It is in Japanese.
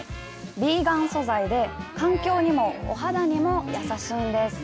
ヴィーガン素材で環境にも、お肌にも優しいんです。